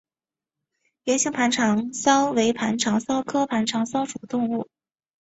圆形盘肠蚤为盘肠蚤科盘肠蚤属的动物。